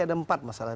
ada empat masalah